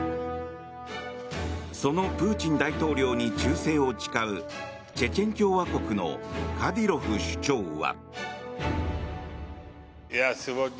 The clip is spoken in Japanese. そのプーチン大統領に忠誠を誓うチェチェン共和国のカディロフ首長は。